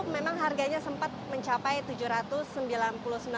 memang harganya sempat mencapai rp tujuh ratus sembilan puluh sembilan